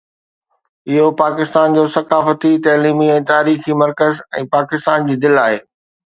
اهو پاڪستان جو ثقافتي، تعليمي ۽ تاريخي مرڪز ۽ پاڪستان جي دل آهي